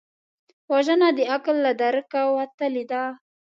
وژنه د عقل له درکه وتلې ده